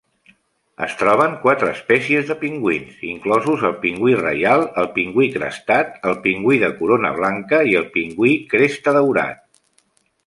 Es troben quatre espècies de pingüins, inclosos el pingüí reial, el pingüí crestat, el pingüí de corona blanca i el pingüí crestadaurat.